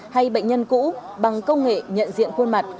hay bệnh nhân cũ bằng công nghệ nhận diện khuôn mặt